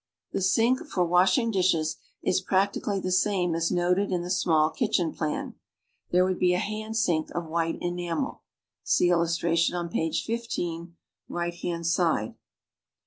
The sink for washing dishes is practically the same as noted in the small kitchen plan. There would be a hand sink of white enamel (see illustration on page 1.5, right hand side).